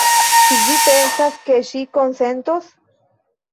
Ĉu vi pensas, ke ŝi konsentos?